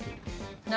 何？